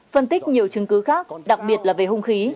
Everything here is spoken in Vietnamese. phân tích nhiều chứng cứ khác đặc biệt là về hung khí